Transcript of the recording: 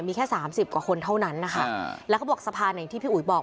มีแค่สามสิบกว่าคนเท่านั้นนะคะแล้วเขาบอกสะพานอย่างที่พี่อุ๋ยบอก